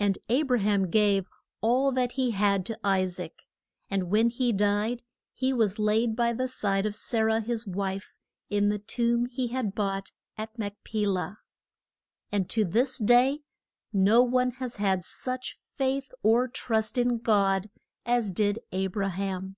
And A bra ham gave, all that he had to I saac; and when he died he was laid by the side of Sa rah, his wife, in the tomb he had bought at Mach pe lah. [Illustration: THE MEET ING OF I SAAC AND RE BEK AH.] And to this day no one has had such faith or trust in God as did A bra ham.